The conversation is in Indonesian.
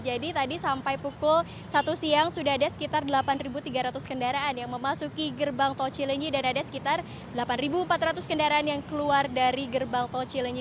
jadi tadi sampai pukul satu siang sudah ada sekitar delapan tiga ratus kendaraan yang memasuki gerbang tol cilenyi dan ada sekitar delapan empat ratus kendaraan yang keluar dari gerbang tol cilenyi